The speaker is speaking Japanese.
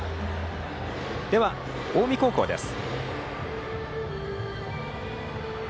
では、近江高校です。